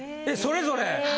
えそれぞれ！